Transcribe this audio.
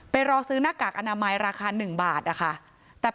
ไปรอซื้อนากักอนามายราคา๑บาท